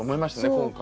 今回。